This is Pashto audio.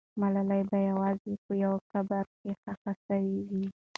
ملالۍ به یوازې په یو قبر کې ښخ سوې وي.